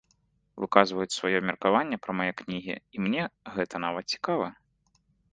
Выказваюць сваё меркаванне пра мае кнігі, і мне гэта нават цікава.